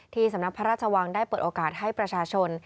สำนักพระราชวังได้เปิดโอกาสให้ประชาชน